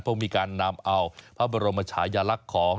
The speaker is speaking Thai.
เพราะมีการนำเอาพระบรมชายลักษณ์ของ